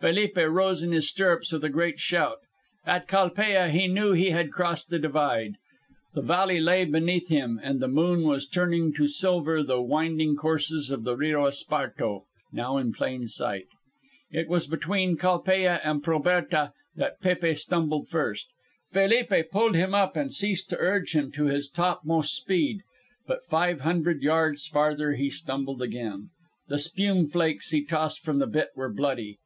Felipe rose in his stirrups with a great shout. At Calpella he knew he had crossed the divide. The valley lay beneath him, and the moon was turning to silver the winding courses of the Rio Esparto, now in plain sight. It was between Calpella and Proberta that Pépe stumbled first. Felipe pulled him up and ceased to urge him to his topmost speed. But five hundred yards farther he stumbled again. The spume flakes he tossed from the bit were bloody.